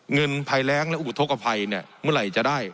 เงินภัยแรงและอุทธกภัยเนี่ยเมื่อไหร่จะได้